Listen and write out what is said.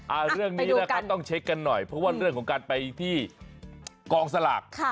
เรื่องนี้นะครับต้องเช็คกันหน่อยเพราะว่าเรื่องของการไปที่กองสลากค่ะ